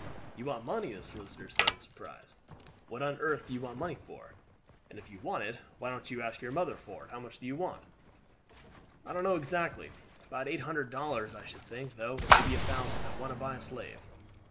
"You want money," the solicitor said in surprise. "What on earth do you want money for? and if you want it, why don't you ask your mother for it? How much do you want?" "I don't know exactly. About eight hundred dollars, I should think; though it may be a thousand. I want to buy a slave."